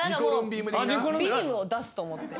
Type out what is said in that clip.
ビームを出すと思って。